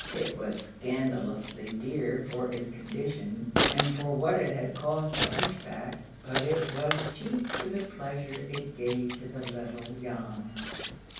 It was scandalously dear for its condition, and for what it had cost the hunchback, but it was cheap for the pleasure it gave to the little Jan.